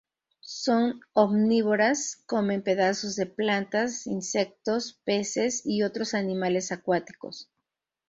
Son omnívoras, comen pedazos de plantas, insectos, peces, y otros animales acuáticos.